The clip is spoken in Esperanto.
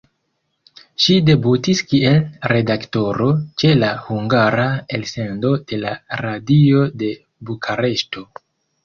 Ŝi debutis kiel redaktoro ĉe la hungara elsendo de la Radio de Bukareŝto.